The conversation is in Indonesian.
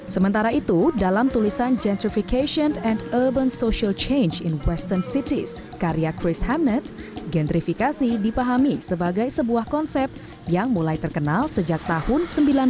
sementara itu dalam tulisan gentrfication and urban social change in western cities karya chris hamnet gentrifikasi dipahami sebagai sebuah konsep yang mulai terkenal sejak tahun seribu sembilan ratus sembilan puluh